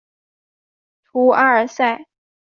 图阿尔塞。